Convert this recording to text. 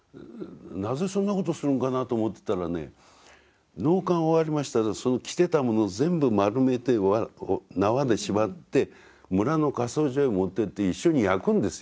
なぜそんなことするんかなと思ってたらね納棺終わりましたらその着てたもの全部丸めて縄で縛って村の火葬場へ持ってって一緒に焼くんですよ。